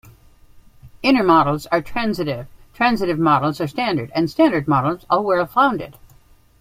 Inner models are transitive, transitive models are standard, and standard models are well-founded.